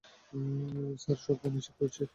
Sir, সব থানায় check করেছি।